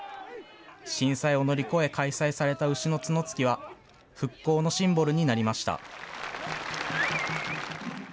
震災を乗り越え開催された牛の角突きは、復興のシンボルになりました。